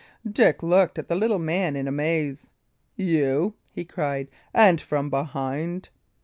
Dick looked at the little man in amaze. "You!" he cried. "And from behind!"